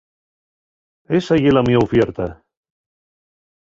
Esa ye la mio ufierta.